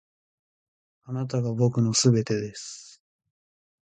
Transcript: あなたが僕の全てです．